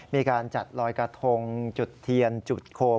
มีการจัดลอยกระทงจุดเทียนจุดโคม